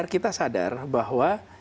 kita sadar bahwa